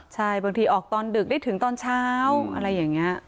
ใช่บางทีออกตอนดึกได้ถึงตอนเช้าอะไรอย่างนี้